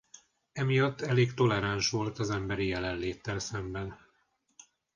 Emiatt elég toleráns volt az emberi jelenléttel szemben.